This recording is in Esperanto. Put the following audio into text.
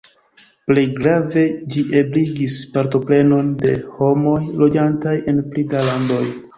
Plej grave ĝi ebligis partoprenon de homoj loĝantaj en pli da landoj.